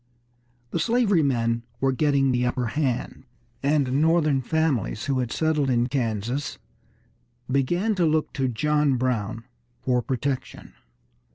The slavery men were getting the upper hand, and Northern families who had settled in Kansas began to look to John Brown for protection.